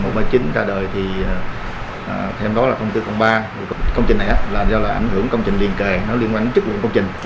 thêm đó là thông tư ba công trình này là do ảnh hưởng công trình liên kề liên quan đến chức lượng công trình